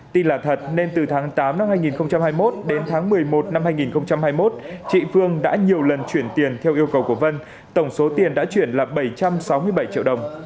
tin là thật nên từ tháng tám năm hai nghìn hai mươi một đến tháng một mươi một năm hai nghìn hai mươi một chị phương đã nhiều lần chuyển tiền theo yêu cầu của vân tổng số tiền đã chuyển là bảy trăm sáu mươi bảy triệu đồng